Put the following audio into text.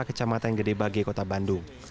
kecamatan gedebage kota bandung